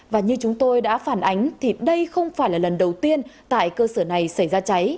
và như chúng tôi đã phản ánh thì đây không phải là lần đầu tiên tại cơ sở này xảy ra cháy